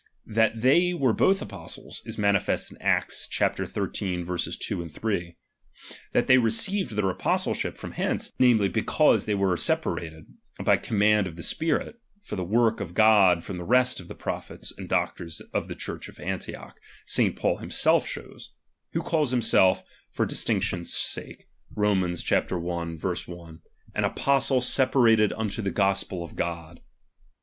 That they were both apostles, is manifest in Acts xiii. 2, 3. That they 3 eceived their apostleship from hence, namely, be cause they were separated, by command of the spirit, for the work of God from the rest of the jrophets and doctors of the Church of Antioch, St. Paul himself shows ; who calls himself, for dis tinction sake (Rom. i. 1), an apostle separated imto the Gospel of God.